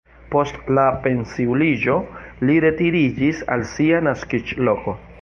Post la pensiuliĝo li retiriĝis al sia naskiĝloko.